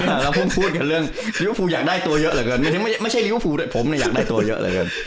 แล้วผมพูดกันเรื่องลิวฟูอยากได้ตัวเยอะเหลือเกินหมายถึงไม่ใช่ลิเวอร์ฟูด้วยผมเนี่ยอยากได้ตัวเยอะเหลือเกิน